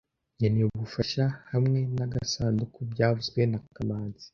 Nkeneye ubufasha hamwe nagasanduku byavuzwe na kamanzi